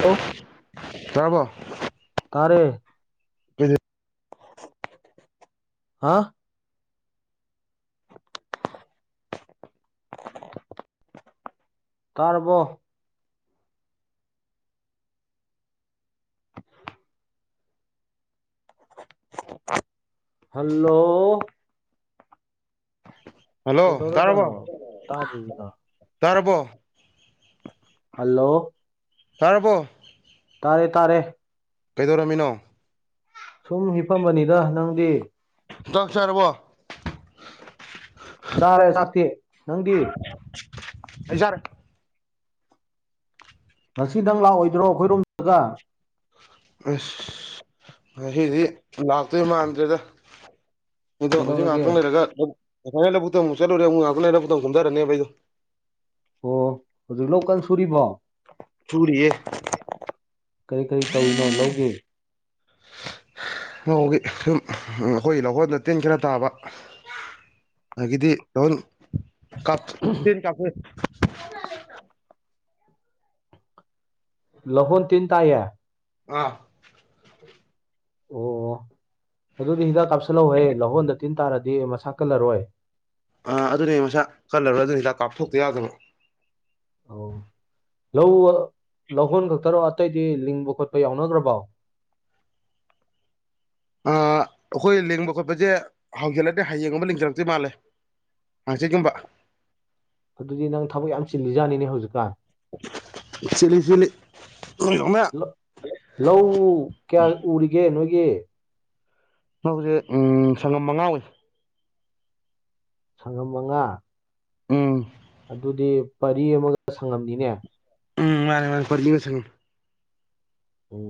Hello ꯇꯔꯕꯣ ꯇꯥꯔꯦ ꯍꯥ ꯇꯥꯔꯕꯣ ꯍꯜꯂꯣ ꯍꯜꯂꯣ ꯀꯗꯧꯔ ꯇꯥꯔꯕꯣ ꯖꯠꯅꯣ ꯇꯗ꯭ꯔꯤꯁꯤꯅ ꯇꯥꯔꯕꯣ ꯍꯜꯂꯣ ꯇꯥꯔꯕꯣ ꯇꯥꯔꯦ ꯇꯥꯔꯦ ꯀꯩꯗꯧꯔꯝꯃꯤꯅꯣ ꯁꯨꯝ ꯍꯤꯐꯝꯕꯅꯤꯗ ꯅꯪꯗꯤ ꯆꯥꯛ ꯆꯥꯔꯕꯣ ꯆꯥꯔꯦ ꯆꯥꯛꯇꯤ ꯅꯪꯗꯤ ꯑꯩ ꯆꯥꯔꯦ ꯉꯁꯤ ꯅꯪ ꯂꯥꯛꯑꯣꯏꯗ꯭ꯔꯣ ꯑꯩꯈꯣꯏꯔꯣꯝꯗꯒ ꯑꯁ ꯉꯁꯤꯗ ꯂꯛꯇꯧ ꯃꯟꯗꯔ꯭ꯦꯗꯥ ꯀꯩꯗꯧꯔꯒꯦ [unintelligible] ꯑꯣ ꯍꯧꯖꯤꯛ ꯂꯧꯀꯥꯟ ꯁꯨꯔꯤꯕꯣ ꯁꯨꯔꯤꯑꯦ ꯀꯔꯤ ꯀꯔꯤ ꯇꯧꯔꯤꯅꯣ ꯂꯧꯒꯤ꯫ ꯂꯧꯒꯥ ꯁꯨꯝ ꯑꯩꯈꯣꯢ ꯂꯧꯍꯣꯟꯗꯣ ꯇꯤꯟ ꯈꯔ ꯇꯥꯕꯥ ꯑꯒꯤꯗꯤ [unintelligible] ꯂꯥꯍꯣꯟ ꯇꯤꯟ ꯇꯥꯏꯌꯦ ꯑꯥ ꯑꯣ ꯑꯗꯨꯗꯤ ꯍꯤꯗꯥꯛ ꯀꯥꯞꯁꯤꯜꯍꯧꯍꯦ ꯂꯧꯍꯣꯟꯗ ꯇꯤꯝ ꯇꯔꯗ ꯃꯁꯥ ꯀꯟꯂꯂꯣꯏ ꯑꯥ ꯑꯗꯨꯗ ꯃꯁꯥ ꯀꯟꯂꯂꯣꯏ ꯑꯣ ꯂꯧ ꯂꯧꯍꯣꯟ ꯈꯛꯇꯔꯣ ꯑꯇꯩꯗꯤ ꯂꯤꯡꯕ ꯈꯣꯠꯄ ꯌꯥꯎꯅꯈ꯭ꯔꯕꯣ ꯑꯥ ꯑꯩꯈꯣꯏ ꯂꯦꯡꯕ ꯈꯣꯠꯄꯁꯦ ꯍꯧꯖꯤꯟꯂꯅꯤ ꯍꯥꯌꯦꯡ ꯒꯨꯝꯕ ꯂꯤꯡꯒꯗꯕ ꯃꯟꯂꯦ ꯍꯥꯡꯆꯤꯠ ꯒꯨꯝꯕ ꯑꯗꯨꯗꯤ ꯅꯪ ꯊꯕꯛ ꯌꯥꯝ ꯆꯤꯜꯂꯤꯖꯥꯠꯅꯤꯅꯦ ꯍꯧꯖꯤꯛꯀꯥꯟ ꯁꯤꯠꯂꯤ ꯁꯤꯠꯂꯤ ꯅꯣꯏꯗꯧꯅ ꯂꯧ ꯀꯌꯥ ꯎꯔꯤꯒꯦ ꯅꯣꯏꯒꯤ ꯂꯧꯁꯦ ꯁꯪꯒꯝ ꯃꯉꯥ ꯎꯏ ꯁꯪꯉꯝ ꯃꯉꯥ ꯎꯝ ꯑꯗꯨꯗꯤ ꯄꯔꯤ ꯑꯃꯒ ꯁꯪꯉꯝꯅꯤꯅꯦ ꯎꯝ ꯃꯥꯅꯦ ꯃꯥꯅꯦ ꯐꯠꯂꯤ [unintelligible] ꯑꯣ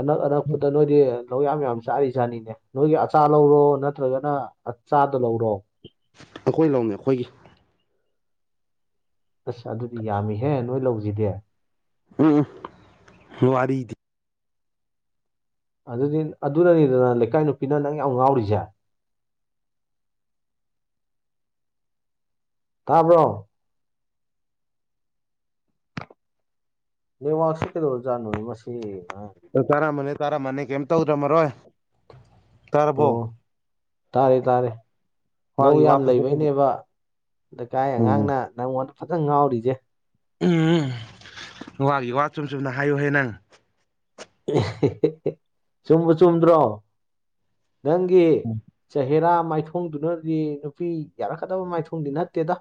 ꯑꯅꯛ ꯑꯅꯛꯄꯗ ꯅꯣꯏꯗꯤ ꯂꯧ ꯌꯥꯝ ꯌꯥꯝ ꯆꯥꯔꯤꯖꯥꯠꯅꯤꯅꯦ ꯅꯣꯏꯒꯤ ꯑꯆꯥ ꯂꯧꯔꯣ ꯅꯠꯇ꯭ꯔꯒꯅ ꯆꯥꯗ ꯂꯧꯔꯣ ꯑꯩꯈꯣꯏ ꯂꯧꯅ‌ꯦ ꯑꯩꯈꯣꯏꯒꯤ ꯑꯁ ꯑꯗꯨꯗꯤ ꯌꯥꯝꯃꯤꯍꯦ ꯅꯣꯏ ꯂꯧꯖꯤꯗꯤ [unintelligible] ꯋꯥꯔꯤꯗꯤ ꯑꯗꯨꯗꯤ ꯑꯗꯨꯅꯅꯤꯗꯅ ꯂꯩꯀꯥꯏ ꯅꯨꯄꯤꯅ ꯅꯪ ꯌꯥꯝ ꯉꯥꯎꯔꯤꯖ‌ꯦ ꯇꯥꯕ꯭ꯔꯣ ꯅꯦꯠꯋꯥꯛꯁꯦ ꯀꯩꯗꯧꯔ ꯖꯥꯠꯅ‌ꯣ ꯃꯁꯤ ꯑꯉꯥꯡ [unintelligible] ꯇꯔꯝꯃꯥꯅꯦ ꯇꯥꯔꯝꯃꯅꯦ ꯀꯩꯝ ꯇꯧꯗ꯭ꯔꯃꯔꯣꯏ ꯇꯥꯔꯕꯣ ꯑꯣ ꯇꯥꯔꯦ ꯇꯥꯔ‌ꯦ ꯂꯧ ꯋꯥꯒꯤ ꯋꯥ ꯌꯥꯝ ꯐꯖ ꯐꯖ ꯂꯩꯕꯩꯅꯦꯕ ꯂꯩꯀꯥꯏ ꯎꯝ ꯑꯉꯥꯡꯅ ꯅꯪꯉ‌ꯣꯟꯗ ꯐꯖꯟ ꯉꯥꯎꯔꯤꯁ‌ꯦ ꯎꯝ ꯋꯥꯒꯤ ꯋꯥ ꯆꯨꯝ ꯆꯨꯝꯅ ꯍꯥꯏꯌꯨꯍꯦ ꯅꯪ [unintelligible] ꯆꯨꯝꯕꯨ ꯆꯨꯝꯗ꯭ꯔꯣ ꯅꯪꯒꯤ ꯆꯦꯍꯦꯔꯥ ꯃꯥꯏꯊꯣꯡꯗꯨꯅꯗꯤ ꯅꯨꯄꯤ ꯌꯥꯔꯛꯀꯗꯕ ꯃꯥꯏꯊꯣꯡꯗꯤ ꯅꯠꯇꯦꯗ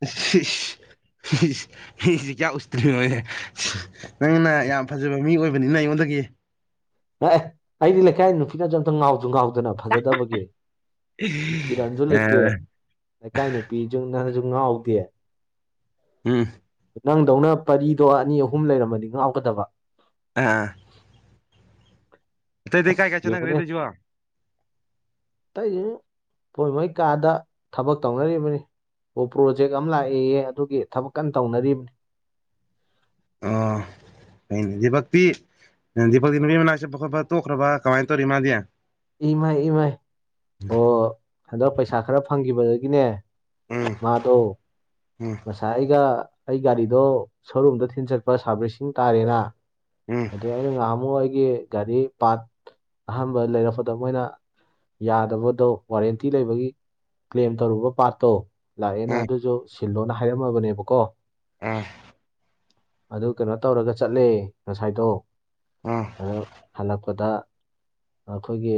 [unintelligible] ꯃꯤꯁꯦ ꯀꯌꯥ ꯎꯁꯤꯠꯇ꯭ꯔꯤꯅꯣꯅꯦ ꯅꯪꯅ ꯌꯥꯝ ꯐꯖꯕ ꯃꯤ ꯑꯣꯏꯕꯅꯤꯅ ꯑꯩꯉꯣꯟꯗꯒꯤ ꯑꯦ ꯑꯦ ꯑꯩꯗꯤ ꯂꯩꯀꯥꯏ ꯅꯨꯄꯤꯅꯁꯨ ꯑꯝꯇ ꯉꯥꯎꯖꯨ ꯉꯥꯎꯗꯅ ꯐꯖꯗꯕꯒꯤ ꯏꯔꯟꯁꯨ ꯂꯩꯇꯦ ꯂꯩꯀꯥꯏ ꯅꯨꯄꯤꯖꯨꯅꯁꯨ ꯉꯥꯎꯗꯦ ꯎꯝ ꯅꯪꯗꯧꯅ ꯄꯔꯤꯗꯣ ꯑꯅꯤ ꯑꯍꯨꯝ ꯂꯩꯔꯝꯃꯗꯤ ꯉꯥꯎꯒꯗꯕ ꯑꯥ ꯑꯇꯩꯗꯩ ꯑꯁ ꯀꯥꯏ ꯀꯥꯏ ꯆꯠꯅꯈ꯭ꯔ‌ꯦ ꯌꯦꯡꯉꯨꯅꯦ ꯇꯧꯏꯁꯤꯕꯨ ꯑꯇꯩꯁꯨ ꯃ‌ꯣꯏ ꯃ‌ꯣꯏ ꯀꯥꯗ ꯊꯕꯛ ꯇꯧꯅꯔꯤꯕꯅꯤ ꯑꯣ ꯄ꯭ꯔꯣꯖꯦꯛ ꯑꯃ ꯂꯥꯛꯑꯦꯌꯦ ꯑꯗꯨꯒꯤ ꯊꯕꯛ ꯀꯟꯅ ꯇꯧꯅꯔꯤꯕꯅꯤ ꯑꯥ ꯀꯩꯅ‌ꯣ ꯗꯤꯄꯛꯇꯤ ꯗꯤꯄꯛꯇꯤ ꯅꯨꯄꯤ ꯃꯅꯥꯛ ꯆꯠꯄ ꯇꯣꯛꯈ꯭ꯔꯕ ꯀꯃꯥꯏꯟ ꯇꯧꯔꯤ ꯃꯥꯗꯤ ꯏꯃꯩ ꯏꯃꯩ ꯑꯣ ꯍꯟꯗꯛ ꯄꯩꯁꯥ ꯈꯔ ꯐꯪꯈꯤꯕꯗꯒꯤꯅꯦ ꯎꯝ ꯃꯥꯗ‌ꯣ ꯉꯁꯥꯏ ꯑꯩꯒ ꯑꯩ ꯒꯥꯔꯤꯗꯣ ꯁꯣꯔꯨꯝꯗ ꯊꯤꯟ ꯆꯠꯄ ꯁꯥꯔꯚꯤꯁꯁꯤꯡ ꯇꯥꯔꯦꯅ ꯑꯗꯨ ꯑꯩꯅ ꯉꯥꯍꯟꯃꯨꯛ ꯑꯩꯒꯤ ꯒꯥꯔꯤ ꯄꯥꯠ ꯑꯍꯟꯕ ꯂꯩꯔꯛ ꯗ ꯃꯣꯏꯅ ꯌꯥꯗꯕꯗꯣ ꯋꯥꯔꯦꯟꯇꯤ ꯂꯩꯕꯒꯤ ꯀ꯭ꯂꯦꯝ ꯇꯧꯔꯨꯕ ꯄꯥꯠꯇꯣ ꯂꯥꯛꯑꯦꯅ ꯑꯗꯨꯁꯨ ꯁꯤꯜꯂꯣꯅ ꯍꯥꯏꯔꯝꯃꯕꯅꯦꯕꯀꯣ [unintelligible] ꯑꯗꯨ ꯀꯩꯅꯣ ꯇꯧꯔꯒ ꯆꯠꯂꯦ ꯉꯁꯥꯏꯗꯣ ꯎꯝ ꯑꯗꯨ ꯍꯜꯂꯛꯄꯗ ꯑꯩꯈꯣꯏꯒꯤ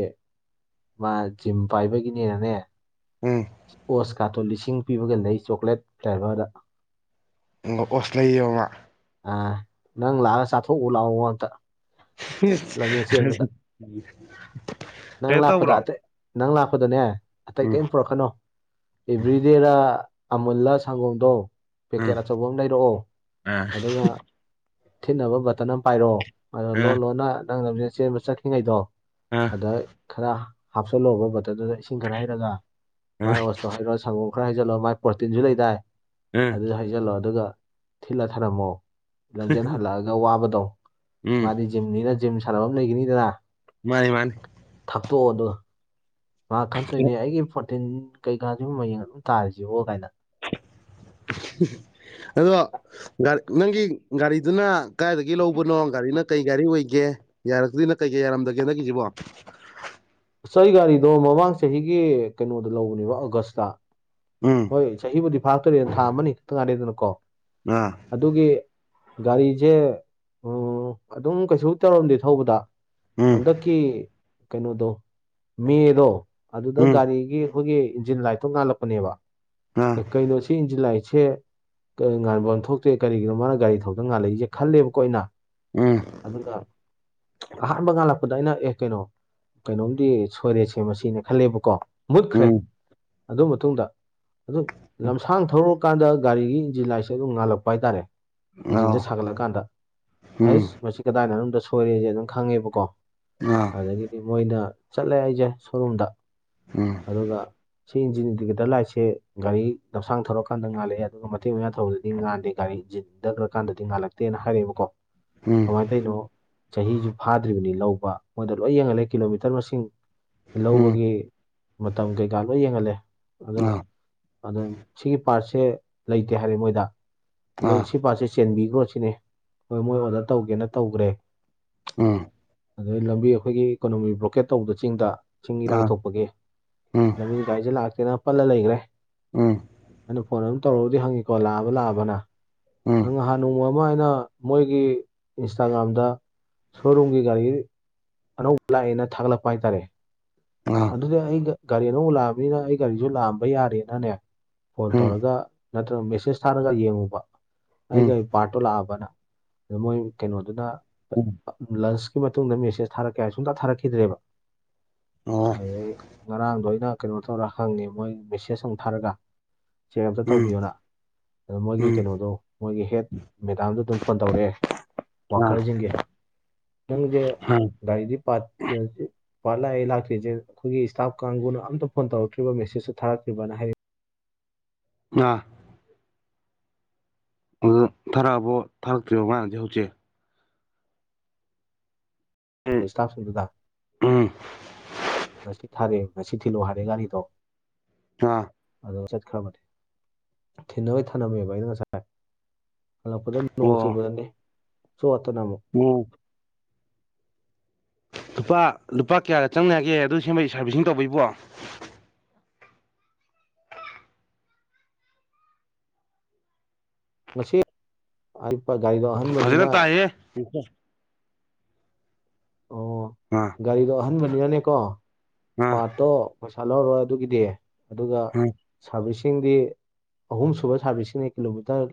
ꯃꯥ ꯖꯤꯝ ꯄꯥꯏꯕꯒꯤꯅꯦꯅꯅꯦ ꯎꯝ ꯑꯣꯁ ꯀꯥꯇꯣ ꯂꯤꯁꯤꯡ ꯄꯤꯕꯒ ꯂꯩ ꯆꯣꯀ꯭ꯂꯦꯠ ꯐ꯭ꯂꯦꯚꯔꯗ ꯑꯣꯠꯁ ꯂꯩꯌ‌ꯦꯕ ꯃꯥ ꯑ ꯅꯪ ꯂꯥꯛꯑꯒ ꯆꯥꯊꯣꯛꯎ ꯂꯥꯛꯑꯣ ꯑꯝꯇ ꯂꯝꯖꯦꯟ ꯆꯦꯟꯕꯗ [unintelligible] ꯅꯪ ꯂꯥꯛꯄꯗ ꯇꯧꯕ꯭ꯔꯣ ꯑꯇꯩ ꯅꯪ ꯂꯥꯛꯄꯗꯅꯦ ꯑꯇꯩ ꯎꯝ ꯀꯩꯝ ꯄꯨꯔꯛꯀꯅꯣ ꯑꯦꯕ꯭ꯔꯤꯗꯦꯔꯥ ꯑꯃꯨꯜꯂ ꯁꯪꯒꯣꯝꯗꯣ ꯄꯦꯀꯦꯠ ꯎꯝ ꯑꯆꯧꯕ ꯑꯃ ꯂꯩꯔꯛꯑꯣ ꯑꯥ ꯑꯗꯨꯒ ꯊꯤꯠꯅꯕ ꯕꯇꯟ ꯑꯃ ꯄꯥꯏꯔ‌ꯣ ꯑꯗ‌ꯣ ꯂꯣꯟ ꯑꯥ ꯂꯣꯟꯅ ꯅꯪ ꯂꯝꯖ‌ꯦꯟ ꯆꯦꯟꯕ ꯆꯠꯈ꯭ꯔꯤꯉꯩꯗꯣ ꯑꯥ ꯑꯗ ꯈꯔ ꯍꯥꯞꯆꯤꯜꯂ‌ꯧꯕ ꯕꯇꯜꯗꯨꯗ ꯏꯁꯤꯡ ꯈꯔ ꯍꯩꯔꯒ ꯃꯥꯏ ꯑꯥ ꯑꯣꯁꯇꯣ ꯍꯩꯔꯣ ꯁꯪꯒꯣꯝ ꯈꯔ ꯍꯩꯖꯜꯂꯣ ꯃꯥꯏ ꯄ꯭ꯔꯣꯇꯤꯟꯁꯨ ꯂꯩꯗꯥꯏ ꯑꯥ ꯑꯗꯨ ꯜꯂꯣ ꯑꯗꯨꯒ ꯊꯤꯜꯂ ꯊꯔꯝꯃꯣ ꯂꯝꯖꯦꯜ ꯍꯜꯂꯛꯑꯒ ꯋꯥꯕꯗꯣ ꯎꯝ ꯃꯥꯅꯤ ꯖꯤꯝꯅꯤꯅ ꯖꯤꯝ ꯁꯥꯟꯅꯕ ꯑꯃ ꯂꯩꯒꯅꯤꯗꯅ ꯃꯥꯅꯤ ꯃꯥꯅꯤ ꯊꯥꯇꯣꯛꯑꯣꯗꯣ ꯃꯥ ꯈꯟꯠꯇꯣꯏꯅꯦ ꯑꯩꯒꯤ ꯐꯣꯔꯇꯤꯟ ꯀꯩꯀꯥꯁꯤ ꯃꯌꯦꯡ ꯑꯗꯨꯝ ꯇꯥꯔꯤꯁꯤꯕꯣ ꯀꯥꯏꯅ ꯑꯗꯣ ꯒꯥꯔꯤ ꯅꯪꯒꯤ ꯒꯥꯔꯤꯗꯨꯅ ꯀꯗꯥꯥꯏꯏꯗꯒꯤ ꯂꯧꯕꯅꯣ ꯒꯥꯔꯤꯅ ꯀꯩ ꯒꯥꯔꯤ ꯑꯣꯏꯒꯦ ꯌꯥꯔꯛꯇꯣꯏꯅ ꯀꯩ ꯀꯩ ꯌꯥꯔꯝꯗꯒꯦ ꯅꯪꯛꯀꯤꯁꯤꯕꯣ ꯁ ꯒꯥꯔꯤꯗꯣ ꯃꯃꯥꯡ ꯆꯍꯤꯒꯤ ꯀꯩꯅꯣꯗ ꯂꯧꯕꯅꯦꯕ ꯑꯥꯒꯁꯇ ꯎꯝ ꯍꯣꯏ ꯆꯍꯤꯕꯨꯗꯤ ꯐꯥꯔꯛꯇꯦꯅ ꯊꯥ ꯑꯃꯅꯤ ꯈꯤꯛꯇꯪ ꯉꯥꯏꯔꯦꯗꯅꯀꯣ [inaudible] ꯑꯗꯨꯒꯤ ꯒꯥꯔꯤꯁꯦ ꯑꯗꯨꯝ ꯀꯩꯁꯨ ꯇꯧꯔꯝꯗꯦ ꯊꯧꯕꯗ ꯎꯝ ꯍꯟꯗꯛꯀꯤ ꯀꯩꯅꯣꯗꯣ ꯃꯦꯗꯣ ꯑꯗꯨꯗ ꯎꯝ ꯒꯥꯔꯤꯒꯤ ꯑꯩꯈꯣꯏꯒꯤ ꯏꯟꯖꯤꯟ ꯂꯥꯏ ꯊꯣꯛꯣꯛ ꯉꯅꯥꯜꯂꯛꯄꯅꯦꯕ ꯑꯥ ꯀꯩꯅꯣ ꯁꯤ ꯏꯟꯁꯤ ꯂꯥꯏꯁꯦ ꯉꯥꯟꯕ ꯑꯃ ꯊꯣꯛꯇꯦ ꯀꯔꯤꯒꯤꯅꯣ ꯃꯥꯅ ꯒꯥꯔꯤ ꯊꯧꯗꯅ ꯉꯥꯂꯛꯏꯦ ꯈꯜꯂꯦꯕꯀꯣ ꯑꯩꯅ ꯎꯝ ꯑꯗꯨꯒ ꯑꯍꯥꯟꯕ ꯉꯥꯜꯂꯛꯄꯗ ꯑꯩꯅ ꯑꯦ ꯀꯩꯅꯣ ꯀꯩꯅꯣꯝꯗꯤ ꯁꯣꯏꯔꯦꯁꯦ ꯃꯁꯤꯅꯦ ꯈꯜꯂꯦꯕꯀꯣ ꯃꯨꯠꯈ꯭ꯔꯦ ꯎꯝ ꯑꯗꯨ ꯃꯇꯨꯡꯗ ꯑꯗꯨ ꯂꯝꯁꯥꯡ ꯊꯧꯔꯨꯔꯀꯥꯟꯗ ꯒꯥꯔꯤꯒꯤ ꯏꯟꯖꯤꯟ ꯂꯥꯏꯁꯦ ꯑꯗꯨꯝ ꯉꯥꯜꯂꯛꯄ ꯍꯥꯏꯇꯥꯔꯦ ꯑꯥ ꯏꯟꯖꯤꯟꯁꯦ ꯁꯥꯒꯠꯂꯀꯥꯟꯗ ꯎꯝ ꯍꯁ ꯃꯁꯤ ꯀꯗꯥꯏꯅ ꯃꯅꯨꯡꯗꯣꯝꯗ ꯁꯣꯏꯔꯦꯁꯦ ꯑꯗꯨꯝ ꯈꯪꯉꯦꯕꯀꯣ ꯎ ꯑꯗꯒꯤꯗꯤ ꯃꯣꯏꯅ ꯆꯠꯂꯦ ꯑꯩꯁꯦ ꯁꯣꯔꯨꯝꯗ ꯎꯝ ꯑꯗꯨꯒ ꯁꯤ ꯏꯟꯖꯤꯟ ꯗꯤꯀꯦꯇꯔ ꯂꯥꯏꯠꯁꯦ ꯒꯥꯔꯤ ꯂꯝꯁꯥꯡ ꯊꯧꯔꯀꯥꯟꯗ ꯉꯥꯂꯛꯑꯦ ꯑꯗꯨꯒ ꯃꯇꯦꯡ ꯃꯥꯡ ꯊꯧꯔꯗꯤ ꯉꯥꯟꯗꯦ ꯒꯥꯔꯤ ꯏꯟꯖꯤꯟ ꯗꯛꯈ꯭ꯔ ꯀꯥꯟꯗꯗꯤ ꯉꯥꯜꯂꯛꯇꯦꯅ ꯍꯥꯏꯔꯛꯑꯦꯕꯀꯣ ꯎꯝ ꯀꯃꯥꯏꯅ ꯇꯧꯔꯤꯅꯣ ꯆꯍꯤꯁꯨ ꯐꯥꯗ꯭ꯔꯤꯕꯅꯤ ꯂꯧꯕ ꯃꯣꯏꯗ ꯂꯣꯏ ꯌꯦꯡꯍꯜꯂꯦ ꯀꯤꯂꯣꯃꯤꯇꯔ ꯃꯁꯤꯡ ꯎꯝ ꯂꯧꯕꯒꯤ ꯃꯇꯝ ꯀꯩꯀꯥ ꯂꯣꯏ ꯌꯦꯡꯍꯜꯂꯦ ꯑꯗꯣ ꯑꯥ ꯑ ꯁꯤꯒꯤ ꯄꯥꯔꯠꯁꯦ ꯂꯩꯇꯦ ꯍꯥꯏꯔꯦ ꯃꯣꯏꯗ ꯑꯗꯣ ꯑꯥ ꯁꯤ ꯄꯥꯠꯁꯦ ꯆꯦꯟꯕꯤꯈ꯭ꯔꯣ ꯁꯤꯅꯤ ꯍꯣꯏ ꯃꯣꯏ ꯑꯣꯗꯔ ꯇꯧꯒꯦꯅ ꯇꯧꯈ꯭ꯔꯦ ꯎ ꯑꯗꯩ ꯂꯝꯕꯤ ꯑꯩꯈꯣꯏꯒꯤ ꯏꯀꯣꯅꯣꯃꯤ ꯕ꯭ꯂꯣꯀꯦꯠ ꯇꯧꯕꯗ ꯆꯤꯡꯗ ꯆꯤꯡ ꯑꯥ ꯏꯔꯥꯡ ꯊꯣꯛꯄꯒꯤ ꯎꯝ ꯂꯝꯕꯤꯠ ꯀꯥꯏꯁꯦ ꯂꯥꯛꯇꯦꯅ ꯄꯜꯂ ꯂꯩꯈ꯭ꯔꯦ ꯎꯝ ꯑꯩꯅ ꯐꯣꯟ ꯑꯃ ꯇꯧꯔꯒꯗꯤ ꯍꯪꯉꯤꯀꯣ ꯂꯥꯛꯑꯕ ꯂꯥꯛꯑꯕꯅ ꯅꯪ ꯎꯝ ꯅꯍꯥꯟ ꯅꯣꯡꯃ ꯑꯃ ꯑꯩꯅ ꯃꯣꯏꯒꯤ ꯏꯟꯁꯇꯥꯒ꯭ꯔꯥꯝꯗ ꯁꯣꯔꯨꯝꯒꯤ ꯒꯥꯔꯤ ꯑꯅꯧꯕ ꯂꯥꯛꯑꯦꯅ ꯊꯥꯒꯠꯂꯛꯄ ꯍꯥꯏꯇꯥꯔꯦ ꯑꯥ ꯑꯗꯨꯗꯤ ꯑꯩ ꯒꯥꯔꯤ ꯑꯅꯧꯕꯛ ꯂꯥꯛꯑꯕꯅꯤꯅ ꯑꯩ ꯒꯥꯔꯤꯁꯨ ꯂꯥꯛꯑꯝꯕ ꯌꯥꯔꯦꯅꯅꯦ ꯐꯣꯟ ꯎꯝ ꯇꯧꯔꯒ ꯅꯠꯇ꯭ꯔꯒ ꯃꯦꯁꯦꯖ ꯊꯥꯔꯒ ꯌꯦꯡꯉꯨꯕ ꯑꯩꯒ ꯎꯝ ꯄꯥꯔꯠꯇꯣ ꯂꯥꯛꯑꯕꯅ ꯑꯗ ꯃꯣꯏ ꯀꯩꯅꯣꯗꯨꯅ ꯎꯝ ꯂꯟꯁꯀꯤ ꯃꯇꯨꯡꯗ ꯃꯦꯁꯦꯁ ꯊꯥꯔꯛꯀꯦ ꯍꯥꯏ ꯁꯨꯡꯇ ꯊꯥꯔꯛꯈꯤꯗ꯭ꯔꯦꯕ ꯑꯣ ꯑꯗꯨꯗꯩ ꯉꯔꯥꯡꯗꯣ ꯑꯩꯅ ꯀꯩꯅꯣ ꯇꯧꯔ ꯍꯪꯉꯦ ꯃꯣꯏ ꯃꯦꯁꯦꯖ ꯑꯃꯨꯛ ꯊꯥꯔꯒ ꯆꯦꯛꯑꯞꯇ ꯎꯝ ꯇꯧꯕꯤꯌꯣꯅ ꯑꯗꯣ ꯃꯣꯏꯒꯤ ꯎꯝ ꯀꯩꯅꯣꯗꯣ ꯃꯣꯏꯒꯤ ꯍꯦꯠ ꯃꯦꯗꯥꯝꯗꯣ ꯑꯗꯨꯝ ꯐꯣꯟ ꯇꯧꯔꯛꯑꯦ ꯑꯥ ꯋꯥꯀꯜꯁꯤꯡꯒꯦ ꯅꯪꯒꯤꯦ ꯑꯥ ꯒꯥꯔꯤꯗꯤ ꯄꯥ ꯐꯂ ꯏꯂ ꯑꯩꯈꯣꯏꯒꯤ ꯏꯁꯇꯥꯐ ꯀꯥꯡꯕꯨꯅ ꯑꯝꯇꯣꯟ ꯇꯧꯛꯇ꯭ꯔꯤꯕ ꯃꯦꯁꯦꯖꯁꯨ ꯊꯔꯛꯇ꯭꯭ꯔꯅ ꯍꯥꯏꯔꯦ. ꯑ ꯑꯗꯨ ꯊꯥꯔꯛꯑꯕꯣ ꯊꯥꯔꯛꯇꯣꯏꯔꯤꯕ ꯃꯥꯥꯡꯗꯤ ꯍꯧꯖꯤꯛ ꯎꯝ ꯑꯩꯈꯣꯏ ꯁ꯭ꯇꯥꯐꯁꯤꯡꯗꯨꯗ ꯎꯝ ꯉꯁꯤ ꯊꯥꯔꯦ ꯉꯁꯤ ꯊꯤꯜꯂꯨ ꯍꯥꯏꯔꯦ ꯒꯥꯔꯤꯗꯣ ꯑꯥ ꯑꯗꯣ ꯆꯠꯈ꯭ꯔꯕꯗꯤ ꯊꯤꯟꯅꯅꯕꯣꯏ ꯊꯝꯂꯝꯝꯃꯦꯕ ꯑꯩꯅ ꯉꯁꯥꯏ ꯍꯜꯂꯛꯄꯗ ꯅꯣꯡ ꯆꯨꯕꯗꯅꯤ ꯁꯣꯠꯇꯅ ꯑꯃꯨꯛ ꯎꯝ ꯂꯨꯄꯥ ꯂꯨꯄꯥ ꯀꯌꯥꯗ ꯆꯪꯅꯒꯦ ꯑꯗꯨ ꯁꯦꯝꯕꯩ ꯁꯥꯔꯕꯤꯁꯤꯡ ꯇꯧꯕꯩꯕꯣ ꯉꯁꯤ ꯑꯛꯄ ꯒꯥꯔꯤꯗꯣ ꯑꯍꯟꯕꯅꯤꯅ ꯎꯀ ꯑꯣ ꯑꯥ ꯒꯥꯔꯤꯗꯣ ꯑꯍꯟꯕꯅꯤꯅꯅꯦꯀꯣ ꯑꯥ ꯄꯥꯔꯠꯇꯣ ꯄꯩꯁꯥ ꯂꯧꯔꯣꯏ ꯑꯗꯨꯒꯤꯗꯤ ꯑꯗꯨꯒ ꯎꯝ ꯁꯥꯔꯚꯤꯁꯁꯤꯡꯗꯤ ꯑꯍꯨꯝꯁꯨꯨꯕ ꯁꯥꯔꯚꯤꯁꯤꯁꯤꯡꯅꯤ ꯀꯤꯂꯣꯃꯤꯇꯔ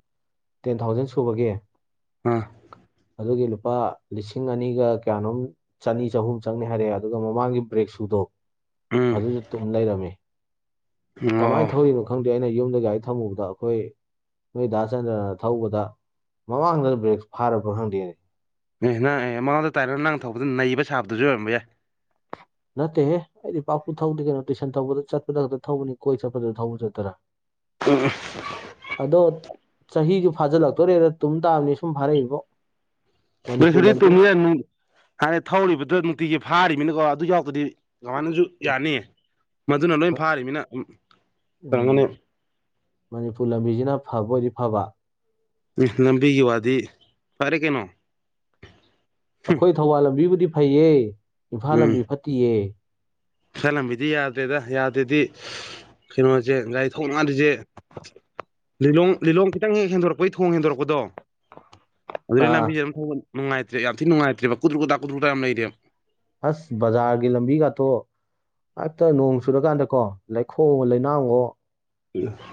ꯇꯦꯟ ꯊꯥꯎꯖꯟ ꯁꯨꯕꯒꯤ ꯑ ꯑꯗꯨꯒꯤ ꯂꯨꯄꯥ ꯂꯤꯁꯤꯡ ꯑꯅꯤꯒ ꯀꯌꯥꯅꯣꯝ ꯆꯅꯤ ꯆꯍꯨꯝ ꯆꯪꯅꯤ ꯍꯥꯏꯔꯛꯑꯦ ꯑꯗꯨꯒ ꯃꯃꯥꯡꯒꯤ ꯕ꯭ꯔꯦꯛ ꯁꯨꯗꯣ ꯑꯗꯨ ꯎꯝ ꯇꯨꯝ ꯂꯩꯔꯝꯃꯤ ꯑꯣ ꯀꯃꯥꯏꯅ ꯊꯧꯔꯤꯅꯣ ꯈꯪꯗꯦ ꯑꯩꯅ ꯌꯨꯝꯗ ꯒꯥꯔꯤ ꯊꯝꯃꯨꯕꯗ ꯑꯩꯈꯣꯏ ꯅꯣꯏ ꯗꯥꯁꯆꯟꯗ꯭ꯔꯅ ꯊꯧꯕꯗ ꯃꯃꯥꯡꯗꯅ ꯕ꯭ꯔꯦꯛ ꯐꯥꯔꯄ꯭ꯔ ꯈꯪꯗꯦꯅꯦ ꯑꯦꯍ ꯅꯪ ꯑꯦ ꯃꯃꯥꯡꯗ ꯇꯥꯏꯔꯅ ꯅꯪ ꯊꯧꯕꯗꯨꯗ ꯅꯩꯕ ꯁꯥꯕꯗꯨꯁꯨ ꯑꯣꯏꯔꯝꯕ ꯌꯥꯏ ꯅꯠꯇꯦ ꯑꯩꯗꯤ ꯄꯥꯛꯄꯨ ꯊꯧꯗꯤꯦ ꯀꯩꯅꯣ ꯇꯨꯏꯁꯟ ꯇꯧꯕꯗ ꯆꯠꯄꯗ ꯈꯛꯇ ꯊꯧꯕꯅꯤ ꯀꯣꯏ ꯆꯠꯄꯗꯨꯗ ꯊꯧꯕ ꯆꯠꯇꯔꯥ ꯎ ꯑꯗꯣ ꯆꯍꯤꯗꯨ ꯐꯥꯖꯤꯜꯂꯛꯇꯣꯔꯦꯗ ꯇꯨꯝ ꯇꯥꯔꯂ ꯁꯨꯝ ꯐꯥꯔꯛꯏꯕꯣ ꯃꯅꯤꯄꯨꯔ ꯁꯔꯤ ꯂꯝꯕꯤꯅ ꯇꯣꯃꯤꯅ ꯍꯥꯏꯥꯟꯗꯤ ꯊꯧꯔꯤꯕꯗꯨꯣ ꯅꯨꯡꯇꯤꯒꯤ ꯐꯥꯔꯤꯕꯅꯤꯅꯀꯣ ꯑꯗꯨ ꯌꯥꯎꯔꯒꯗꯤ ꯀꯃꯅꯁꯨ ꯎꯝ ꯌꯥꯅꯤꯌꯦ ꯃꯗꯨꯅ ꯂꯣꯏ ꯃ- ꯐꯥꯔꯤꯅꯤꯅ ꯀꯩꯅꯝꯒꯅꯤ ꯎꯝ ꯃꯅꯤꯄꯨꯔ ꯂꯝꯕꯤꯁꯤꯅ ꯐꯕ ꯑꯣꯏꯗꯤ ꯐꯕ ꯎꯝ ꯂꯝꯕꯤꯒꯤ ꯋꯥꯗꯤ ꯐꯔꯦ ꯀꯩꯅꯣ ꯑꯩꯈꯣꯏ ꯊꯧꯕꯥꯜ ꯂꯝꯕꯤꯕꯨꯗꯤ ꯐꯩꯌꯦ ꯏꯝꯐꯥꯜ ꯂꯝꯕꯤ ꯐꯠꯇꯤꯌꯦ ꯏꯜ ꯂꯝꯕꯤꯗꯤ ꯌꯥꯗꯦꯗ ꯌꯥꯗ꯭ꯔꯦꯗꯤ ꯀꯩꯅꯣꯁꯦ ꯒꯥꯔꯤ ꯊꯧꯅꯉꯥꯟꯜꯂꯤꯁꯦ ꯂꯤꯂꯣꯡ ꯂꯤꯂꯣꯡ ꯈꯤꯇꯪ ꯍꯦꯛ ꯍꯦꯟꯗꯣꯔꯛꯄꯩ ꯊꯣꯡ ꯍꯦꯟꯗꯣꯔꯛꯄꯗꯣ ꯑꯗꯨꯗꯅ ꯑꯥ ꯂꯝꯕꯤꯁꯦꯝ ꯊꯧꯕ ꯉꯇ꯭ꯔꯦ ꯌꯥꯝ ꯊꯤ ꯅꯨꯡꯉꯥꯏꯇ꯭ꯔꯦ ꯀꯨ꯭ꯔꯨꯀꯇꯥ ꯀꯨ꯭ꯔꯨꯛꯇ ꯌꯥꯝ ꯂꯩꯦꯕ ꯑꯁ ꯕꯖꯥꯒꯤ ꯂꯝꯕꯤ ꯀ ꯊꯣ ꯍꯦꯛꯇ ꯅꯣꯡ ꯆꯨꯔꯀꯥꯟꯗꯀꯣ ꯂꯩꯈꯣ ꯂꯩꯅꯥꯡꯒꯣ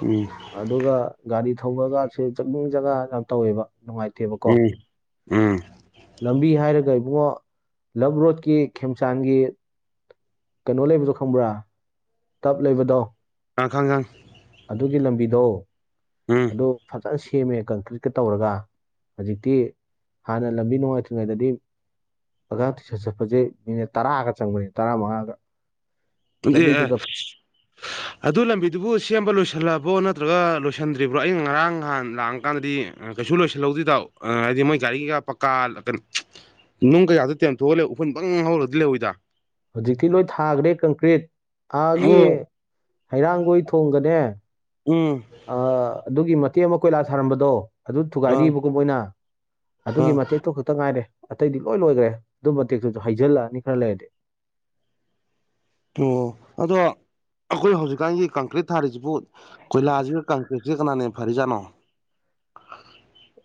ꯃꯤ ꯑꯗꯨꯒ ꯒꯥꯔꯤ ꯊꯧꯕꯒꯁꯦ ꯆꯠꯅꯤꯡ ꯖꯒꯥ ꯌꯥꯝ ꯇꯧꯋꯦꯕ ꯅꯨꯡꯉꯥꯏꯇꯦꯕꯀꯣ ꯎꯝ ꯎꯝ ꯂꯝꯕꯤ ꯍꯥꯏꯔꯒ ꯏꯕꯨꯡꯉꯣ ꯂꯞ ꯔꯣꯗꯀꯤ ꯈꯦꯝꯆꯥꯟꯒꯤ ꯀꯩꯅꯣ ꯂꯩꯕꯗꯣ ꯈꯪꯕ꯭ꯔꯥ ꯇꯞ ꯂꯩꯕꯗꯣ ꯀꯥꯡꯈꯪꯒꯥꯡ ꯑꯗꯨꯒꯤ ꯂꯝꯕꯤꯗꯣ ꯎꯝ ꯑꯗꯨꯗ ꯐꯖꯅ ꯁꯦꯝꯃꯦ ꯀꯪꯀ꯭ꯔꯤꯠꯀ ꯇꯧꯔꯒ ꯍꯧꯖꯤꯛꯇꯤ ꯍꯥꯟꯅ ꯂꯝꯕꯤ ꯅꯨꯡꯉꯥꯏꯇ꯭ꯔꯤꯉꯩꯗꯗꯤ ꯑꯗ ꯇꯨꯏꯁꯔꯠ ꯆꯠꯄꯁꯦ ꯃꯤꯅꯤꯠ ꯇꯔꯥꯒ ꯆꯪꯕꯅꯤ ꯇꯔꯥꯃꯉꯥꯒ ꯑꯦ ꯑꯦ ꯑꯗꯨ ꯂꯝꯕꯤꯗꯨꯕꯨ ꯁꯦꯝꯕ ꯂꯣꯏꯁꯤꯜꯂꯕ꯭ꯔꯣ ꯅꯠꯇ꯭ꯔꯒ ꯂꯣꯏꯁꯤꯟꯗ꯭ꯔꯤꯕ꯭ꯔꯣ ꯑ ꯉꯔꯥꯡ ꯅꯍꯥꯟ ꯂꯥꯡꯀꯥꯟꯗꯗꯤ ꯀꯩꯁꯨ ꯂꯣꯏꯁꯤꯜꯍꯧꯗꯦꯗꯧ ꯍꯥꯏꯗꯤ ꯃꯣꯏ ꯒꯥꯔꯤ ꯀꯩꯀꯥ ꯄꯀꯥꯛꯀꯅ ꯅꯨꯡ ꯀꯌꯥꯗ ꯇꯦꯟꯊꯣꯛꯑꯒ ꯂꯩ ꯎꯈꯨꯟ ꯄꯪ ꯍꯧꯥꯎꯔꯒꯗꯤ ꯂꯧꯍꯏꯗ ꯍꯧꯖꯤꯛꯇꯤ ꯂꯣꯏ ꯊꯥꯈ꯭ꯔꯦ ꯀꯪꯀ꯭ꯔꯤꯠ ꯑꯥꯒꯤ ꯑꯣ ꯍꯩꯔꯥꯡꯒꯣꯏ ꯊꯣꯡꯒꯅꯦ ꯎꯝ ꯑꯗꯨꯒꯤ ꯃꯇꯦꯛ ꯑꯃ ꯀꯣꯏꯂꯥ ꯊꯥꯔꯝꯕꯗꯣ ꯑꯗꯨ ꯑꯥ ꯊꯨꯒꯥꯏꯔꯤꯕꯒꯨꯝꯕꯣꯏꯅ ꯑꯗꯨꯒꯤ ꯑꯥ ꯃꯇꯦꯛꯇ ꯛꯇ ꯉꯥꯏꯔꯦ ꯑꯇꯩꯗꯤ ꯂꯣꯏ ꯂꯣꯏꯈ꯭ꯔꯦ ꯑꯗꯨꯝ ꯃꯇꯦꯛꯇꯨꯁꯨ ꯍꯩꯖꯤꯜꯂꯛꯑꯅꯤ ꯈꯔ ꯂꯩꯔꯗꯤ ꯑꯣ ꯑꯗꯣ ꯑꯩꯈꯣꯏ ꯍꯧꯖꯤꯛꯀꯥꯟꯒꯤ ꯀꯪꯀ꯭ꯔꯤꯠ ꯊꯥꯔꯤꯁꯤꯕꯨ ꯀꯣꯏꯂꯥꯁꯤꯒ ꯀꯪꯀ꯭ꯔꯤꯠ ꯆ ꯀꯅꯥꯅꯤ ꯐꯔꯤꯖꯅꯣ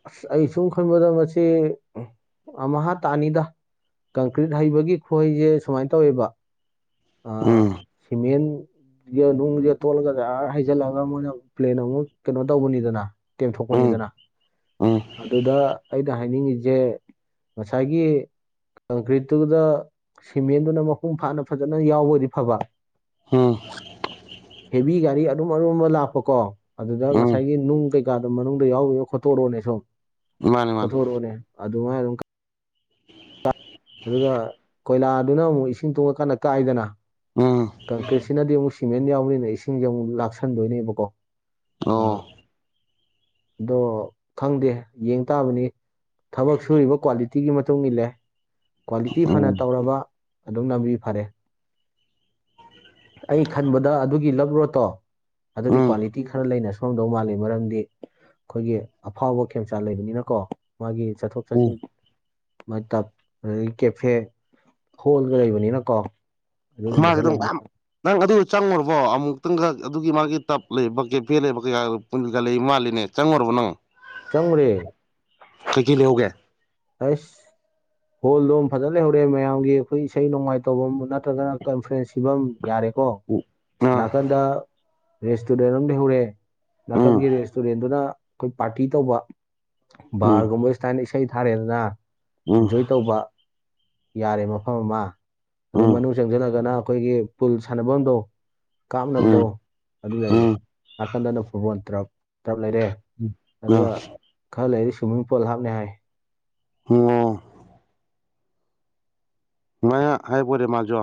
ꯑꯁ ꯑꯩ ꯁꯨꯝ ꯈꯟꯕꯗ ꯃꯁꯤ ꯑꯃꯥ ꯇꯥꯅꯤꯗ ꯀꯪꯀ꯭ꯔꯤꯠ ꯍꯩꯕꯒꯤ ꯈꯍꯩꯁꯦ ꯁꯨꯃꯥꯏꯅ ꯇꯧꯋꯦꯕ ꯎꯝ ꯁꯤꯃꯦꯟ ꯅꯨꯡꯁꯦ ꯇꯣꯠꯂꯒ ꯑꯥꯔ ꯍꯩꯖꯜꯂꯛꯑꯒ ꯃꯣꯏꯅ ꯄ꯭ꯂꯦꯟ ꯑꯃꯨꯛ ꯀꯩꯅꯣ ꯇꯧꯕꯅꯤꯗꯅ ꯎꯝ ꯇꯦꯝꯊꯣꯛꯄꯅꯤꯗꯅ ꯎꯝ ꯑꯗꯨꯗ ꯑꯩꯅ ꯍꯥꯏꯅꯤꯡꯉꯤꯁꯤ ꯦ ꯉꯁꯥꯏꯒꯤ ꯀꯪꯀ꯭ꯔꯤꯠꯇꯨꯗ ꯁꯤꯃꯦꯟꯗꯨꯅ ꯃꯄꯨꯡ ꯐꯥꯅ ꯐꯖꯅ ꯌꯥꯎꯕꯗꯤ ꯐꯕ ꯍꯣꯏ ꯍꯦꯚ ꯒꯥꯔꯤ ꯑꯗꯨꯔꯨꯝ ꯑꯔꯨꯝꯕ ꯂꯥꯛꯄ ꯀꯣ ꯑꯗꯨꯗ ꯎꯝ ꯉꯁꯥꯏꯒꯤ ꯅꯨꯡ ꯀꯩꯀꯥꯗꯨ ꯃꯅꯨꯡꯗ ꯌꯥꯎꯕ ꯈꯣꯠꯇꯣꯔꯣꯅꯦ ꯁꯨꯝ ꯃꯥꯅꯤ ꯃꯥꯅꯤ ꯈꯣꯊꯣꯔꯛꯑꯣꯅꯦ ꯑꯗꯨꯃꯥꯏ ꯑꯗꯨꯝ ꯑꯗꯨꯒ ꯀꯣꯏꯂꯥꯗꯨꯅ ꯑꯃꯨꯛ ꯏꯁꯤꯡ ꯇꯣꯡꯉꯀꯥꯟꯗ ꯀꯥꯏꯗꯅ ꯑꯣ ꯀꯪꯀ꯭ꯔꯤꯠꯁꯤꯅꯗꯤ ꯑꯃꯨꯛ ꯁꯤꯃꯦꯟ ꯌꯥꯎꯕꯅꯤꯅ ꯏꯁꯤꯡꯁꯦ ꯑꯃꯨꯛ ꯂꯥꯛꯁꯟꯗꯣꯏꯅꯦꯕꯀꯣ ꯑꯣ ꯑꯗꯣ ꯈꯪꯗꯦ ꯌꯦꯡ ꯇꯥꯕꯅꯤ ꯊꯕꯛ ꯁꯨꯔꯤꯕ ꯀ꯭ꯋꯥꯂꯤꯇꯤꯒꯤ ꯃꯇꯨꯡ ꯏꯜꯂꯦ ꯀ꯭ꯋꯥꯂꯤꯇꯤ ꯐꯅ ꯎꯝ ꯇꯧꯔꯕ ꯑꯗꯨꯝ ꯅꯝꯕꯤ ꯐꯔꯦ ꯑꯩ ꯈꯟꯕꯗ ꯑꯗꯨꯒꯤ ꯂꯞ ꯔꯣꯠꯇꯣ ꯑꯗꯨꯗꯤ ꯎꯝ ꯀ꯭ꯋꯥꯂꯤꯇꯤ ꯈꯔ ꯂꯩꯅ ꯁꯣꯝꯗꯧ ꯃꯥꯜꯂꯤ ꯃꯔꯝꯗꯤ ꯑꯩꯈꯣꯏꯒꯤ ꯑꯐꯥꯎꯕ ꯈꯦꯝꯆꯥꯥꯟ ꯂꯩꯕꯅꯤꯅꯀꯣ ꯃꯥꯒꯤ ꯆꯠꯊꯣꯛ ꯎꯝ ꯆꯠꯁꯤꯟ ꯃ ꯇꯞ ꯑꯗꯒꯤ ꯀꯦꯐꯦ ꯍꯣꯜꯒ ꯂꯩꯕꯅꯤꯅꯀꯣ ꯑꯗꯨꯒꯨꯝꯕ ꯈꯔ ꯃꯥꯒꯩ ꯣꯡꯕ ꯂꯩꯕꯅꯤ ꯅꯪ ꯑꯗꯨ ꯆꯪꯉꯨꯔꯕꯣ ꯑꯃꯨꯛꯇꯪꯒ ꯑꯗꯨꯒꯤ ꯃꯥꯒꯤ ꯇꯞ ꯂꯩꯕ ꯕꯀꯦꯠ ꯐꯦ ꯂꯩꯕ ꯀꯩꯀ ꯄꯨꯟꯀꯥ ꯂꯩ ꯃꯥꯜꯂꯤꯅꯦ ꯆꯪꯉꯨꯔꯕ ꯅꯪ ꯆꯪꯔꯦ ꯀꯩꯀꯩ ꯂꯩꯍꯧꯒꯦ ꯇꯩꯁ ꯍꯣꯜꯗꯣꯝ ꯐꯖꯅ ꯂꯩꯍꯧꯔꯛꯑꯦ ꯃꯌꯥꯝꯒꯤ ꯑꯩꯈꯣꯏ ꯏꯁꯩ ꯅꯣꯡꯃꯥꯏ ꯇꯧꯐꯝ ꯅꯠꯇ꯭ꯔꯒꯅ ꯀꯟꯐ꯭ꯔꯦꯟꯁ ꯁꯤꯤꯐꯝ ꯌꯥꯔꯦꯀꯣ ꯑꯥ ꯅꯥꯀꯟꯗ ꯔꯦꯁꯇꯨꯔꯦꯟ ꯑꯃ ꯂꯩ ꯍꯧꯔꯦ ꯎꯝ ꯅꯥꯀꯟꯒꯤ ꯔꯦꯁꯇꯨꯔꯦꯟꯗꯨꯅ ꯑꯩꯈꯣꯏ ꯄꯥꯔꯇꯤ ꯇꯧꯕ ꯎꯝ ꯕꯥꯔꯒꯨꯝꯕ ꯏꯁꯇꯥꯏꯅ ꯊꯥꯔꯦꯗꯅ ꯎꯝ ꯑꯦꯟꯖꯣꯏ ꯇꯧꯕ ꯌꯥꯔꯦ ꯃꯐꯝ ꯑꯃ ꯑꯗꯨꯏ ꯎꯝ ꯃꯅꯨꯡ ꯆꯪꯁꯤꯜꯂꯒꯅ ꯑꯩꯈꯣꯏꯒꯤ ꯄꯨꯜ ꯁꯥꯟꯅꯐꯝꯗꯣ ꯎꯝ ꯀꯥꯞꯅꯕꯗꯣ ꯑꯗꯨ ꯂꯩꯔꯦ ꯎꯝ ꯅꯥꯀꯟꯗꯅ ꯐꯨꯠꯕꯣꯜ ꯇ꯭ꯔꯞ ꯗ꯭ꯔꯞ ꯂꯩꯔꯦ ꯑꯗꯨꯒ ꯑꯥ ꯈꯔ ꯂꯩꯔꯤ ꯁ꯭ꯋꯤꯝꯃꯤꯡ ꯄꯣꯜ ꯍꯥꯞꯅꯤ ꯍꯥꯏ ꯑꯣ ꯉꯥꯏꯍ ꯍꯥꯏꯕꯣꯔꯦ ꯃꯥꯖꯣ